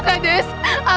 evan bangun evan